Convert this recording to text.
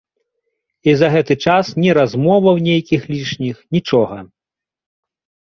І за гэты час ні размоваў нейкіх лішніх, нічога.